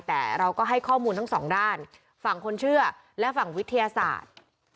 แต่เราก็ให้ข้อมูลทั้งสองด้านฝั่งคนเชื่อและฝั่งวิทยาศาสตร์